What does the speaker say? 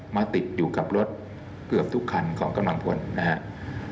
มาติดอยู่กับรถเกือบทุกคันของกำลังพลนะครับ